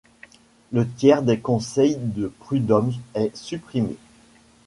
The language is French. Le tiers des conseils de prud’hommes est supprimé.